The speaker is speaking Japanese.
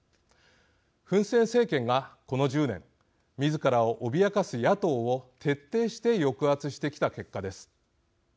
フン・セン政権が、この１０年みずからを脅かす野党を徹底して抑圧してきた結果です。